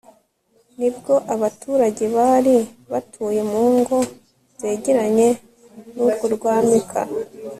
ni bwo abaturage bari batuye mu ngo zegeranye n'urwo kwa mika